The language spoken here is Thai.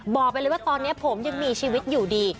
บอกไปเลยว่าตอนนี้ผมยังมีชีวิตอยู่ดี